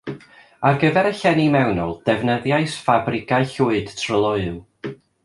Ar gyfer y llenni mewnol, defnyddiais ffabrigau llwyd tryloyw